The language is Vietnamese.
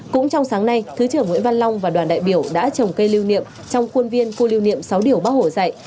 cũng trong sáng nay thứ trưởng nguyễn văn long và đoàn đại biểu đã trồng cây lưu niệm trong quân viên cua lưu niệm sáu điều bác hổ dạy